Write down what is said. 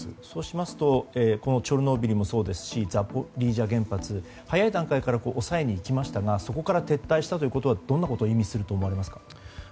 そうしますとチョルノービリもそうですしザポリージャ原発も早い段階から抑えに行きましたがそこから撤退したということはどんなことを意味しますか。